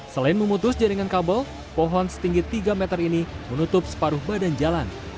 selain memutus jaringan kabel pohon setinggi tiga meter ini menutup separuh badan jalan